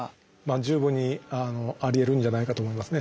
十分にありえるんじゃないかと思いますね。